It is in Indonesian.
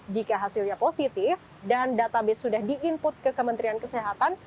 jika hasilnya positif dan database sudah di input ke kementerian kesehatan